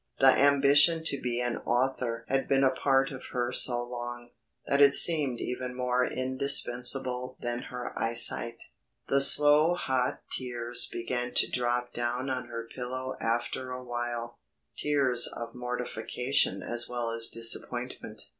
The ambition to be an author had been a part of her so long, that it seemed even more indispensable than her eye sight. The slow hot tears began to drop down on her pillow after awhile, tears of mortification as well as disappointment.